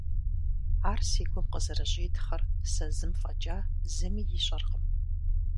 Ар си гум къызэрыщӀитхъыр сэ зым фӀэкӀа зыми ищӀэркъым…